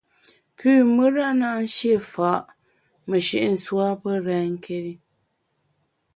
Pü mùra na shié fa’ meshi’ nswa pe renké́ri.